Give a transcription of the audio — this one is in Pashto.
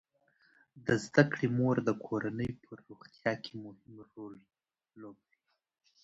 د زده کړې مور د کورنۍ په روغتیا کې مهم رول لوبوي.